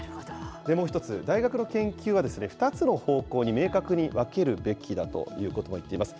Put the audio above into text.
もう１つ、大学の研究は、２つの方向に明確に分けるべきだということも言っています。